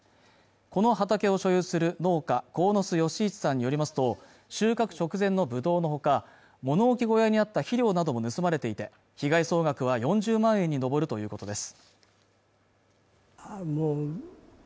この畑を所有する農家鴻巣義一さんによりますと収穫直前のぶどうのほか物置小屋にあった肥料なども盗まれていて被害総額は４０万円に上るということです